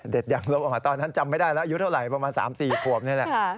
เด็กยังล้มออกมาตอนนั้นจำไม่ได้แล้วอายุเท่าไหร่ประมาณ๓๔ขวบนี่แหละ